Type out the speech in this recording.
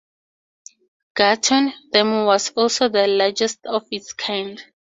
Gatun Dam was also the largest of its kind.